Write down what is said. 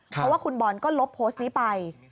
เพราะว่าคุณบอลก็ลบโพสต์นี้ไป